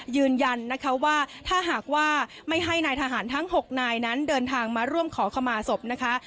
ยืนยันนะคะว่าถ้าหากว่าไม่ให้นายทหารทั้ง๖นายนั้นเดินทางมาร่วมขอขมาศพนะคะ